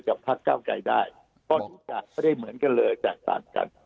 กับพักเจ้าไก่ได้ก็ไม่ได้เหมือนกันเลยแตกตามกัน